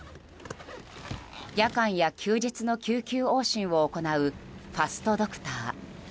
夜間や休日の救急往診を行うファストドクター。